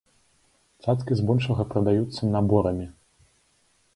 Цацкі збольшага прадаюцца наборамі.